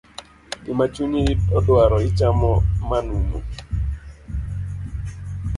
Gima chunyi odwaro, ichamo manumu.